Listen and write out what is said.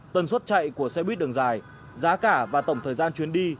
tần suất chạy của xe buýt đường dài giá cả và tổng thời gian chuyến đi